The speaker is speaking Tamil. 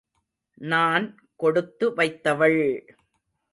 நான் கொடுத்து வைத்தவள்!